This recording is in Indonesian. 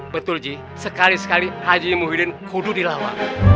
betul ji sekali sekali haji muhyiddin kudu di lawa